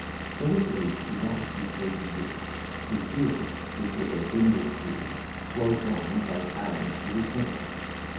Though his age did not exceed thirty years, his beard, which was of a brindled hue, flowed down, like Aaron's, to his middle.